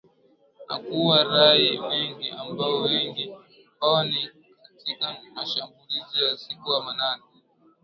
Na kuua raia wengi ambapo wengi wao ni katika mashambulizi ya usiku wa manane